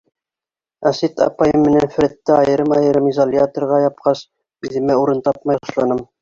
Асет апайым менән Фредты айырым-айырым изоляторға япҡас, үҙемә урын тапмай башланым.